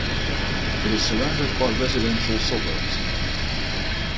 It is surrounded by residential suburbs.